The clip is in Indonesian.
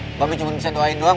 mbak be cuma bisa doain doang